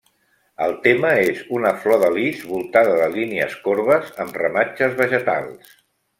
El tema és una flor de lis voltada de línies corbes amb ramatges vegetals.